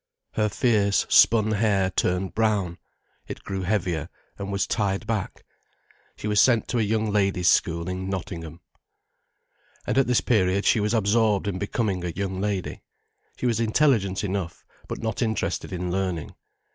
Her fierce, spun hair turned brown, it grew heavier and was tied back. She was sent to a young ladies' school in Nottingham. And at this period she was absorbed in becoming a young lady. She was intelligent enough, but not interested in learning.